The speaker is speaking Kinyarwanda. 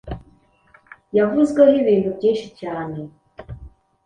yavuzweho ibintu byinshi cyane